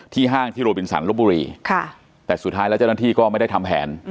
ห้างที่โรบินสันลบบุรีแต่สุดท้ายแล้วเจ้าหน้าที่ก็ไม่ได้ทำแผน